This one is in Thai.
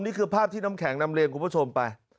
นี่คือภาพที่น้ำแข็งนำเรียนคุณผู้ชมไป